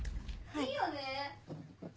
いいよね？